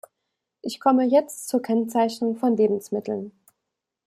Ich komme jetzt zur Kennzeichnung von Lebensmitteln.